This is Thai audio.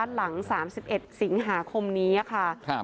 หลัง๓๑สิงหาคมนี้ค่ะ